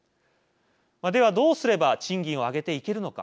ではどうすれば賃金を上げていけるのか。